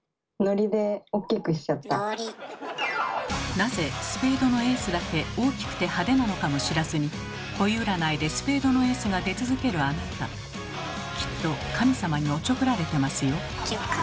なぜスペードのエースだけ大きくて派手なのかも知らずに恋占いでスペードのエースが出続けるあなたきっと神様におちょくられてますよ。